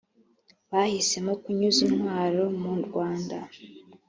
bahisemo kunyuza intwaro mu rwanda